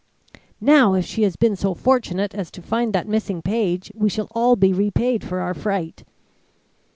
"Now if she has been so fortunate as to find that missing page, we shall all be repaid for our fright."